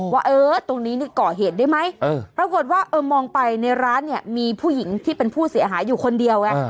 ว่าตรงนี้ก่อเหตุได้ไหมปรากฏว่ามองไปในร้านมีผู้หญิงที่เป็นผู้เสียหายอยู่คนเดียว